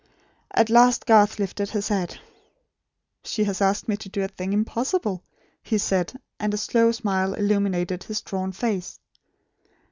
At last Garth lifted his head. "She has asked me to do a thing impossible," he said; and a slow smile illumined his drawn face.